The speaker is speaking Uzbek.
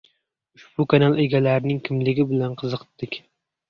Ushbu kanal egalarining kimligi bilan qiziqdik.